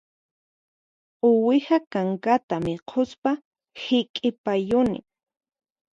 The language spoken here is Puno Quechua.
Uwiha kankata mikhuspa hiq'ipayuni